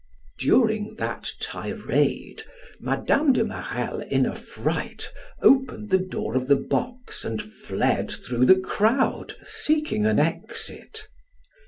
During that tirade Mme. de Marelle in affright opened the door of the box and fled through the crowd seeking an exit.